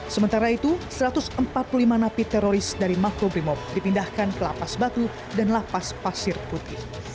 sementara itu satu ratus empat puluh lima napi teroris dari makobrimob dipindahkan ke lapas batu dan lapas pasir putih